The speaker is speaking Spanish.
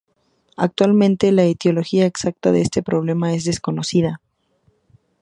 Actualmente, la etiología exacta de este problema es desconocida.